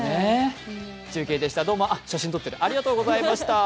中継でした、写真撮ってる、ありがとうございました。